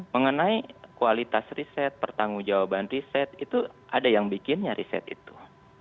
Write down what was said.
mengenai kualitas riset pertanggung jawaban riset itu ada yang bikinnya riset itu